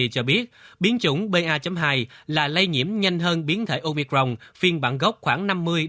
cho biết biến chủng pa hai là lây nhiễm nhanh hơn biến thể omicron phiên bản gốc khoảng năm mươi sáu mươi